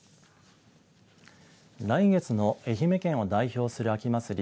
来月の愛媛県を代表する秋祭り